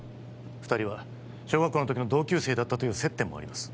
二人は小学校の時の同級生だったという接点もあります